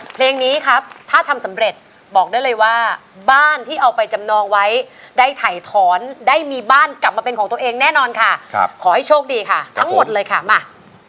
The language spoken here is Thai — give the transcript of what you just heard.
เพลงนี้ครับถ้าทำสำเร็จบอกได้เลยว่าบ้านที่เอาไปจำนองไว้ได้ถ่ายถอนได้มีบ้านกลับมาเป็นของตัวเองแน่นอนค่ะขอให้โชคดีค่ะทั้งหมดเลยค่ะมา